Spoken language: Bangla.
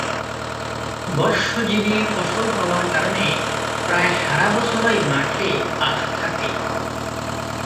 বর্ষজীবী ফসল হওয়ার কারণে প্রায় সারা বছরই মাঠে আখ থাকে।